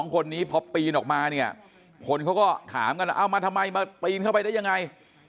๒คนนี้พอปีนออกมาเนี่ยคนเขาก็ถามกันเอามาทำไมมาปีนเข้าไปได้ยังไง